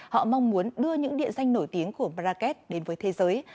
họ mong muốn đưa những địa danh nổi tiếng của marrakesh đến với thế giới